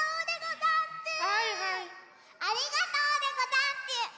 ありがとうでござんちゅ。